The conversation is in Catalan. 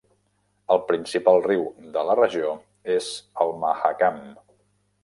El principal riu de la regió és el Mahakam.